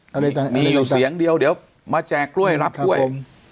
มีอยู่เสียงเดียวเดี๋ยวมาแจกกล้วยรับกล้วยครับผม